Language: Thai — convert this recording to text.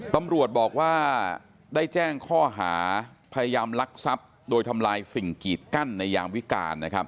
ตำรวจบอกว่าได้แจ้งข้อหาพยายามลักทรัพย์โดยทำลายสิ่งกีดกั้นในยามวิการนะครับ